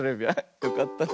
よかったね。